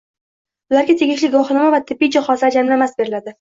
Ularga tegishli guvohnoma va tibbiy jihozlar jamlanmasi beriladi.